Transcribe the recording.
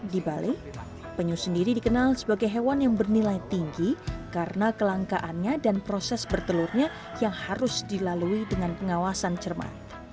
di bali penyu sendiri dikenal sebagai hewan yang bernilai tinggi karena kelangkaannya dan proses bertelurnya yang harus dilalui dengan pengawasan cermat